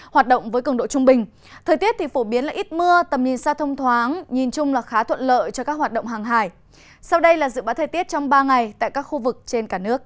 hãy đăng ký kênh để ủng hộ kênh của chúng mình nhé